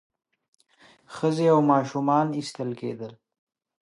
ښځې او ماشومان ایستل کېدل.